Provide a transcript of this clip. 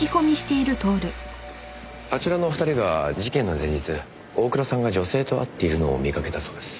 あちらの２人が事件の前日大倉さんが女性と会っているのを見かけたそうです。